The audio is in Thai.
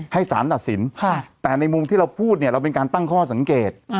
สารตัดสินแต่ในมุมที่เราพูดเนี่ยเราเป็นการตั้งข้อสังเกต